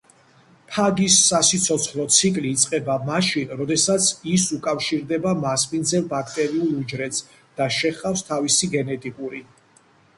ფაგის სასიცოცხლო ციკლი იწყება მაშინ როდესაც ისუკავშირდება მასპინძელ ბაქტერიულ უჯრედს და შეჰყავს თავისი გენეტიკური